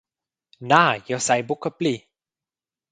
Na, jeu sai buca pli!